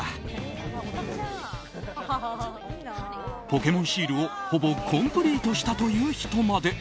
ポケモンシールをほぼコンプリートしたという人まで。